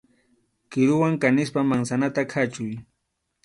Kiruwan kanispa mansanata khachuy.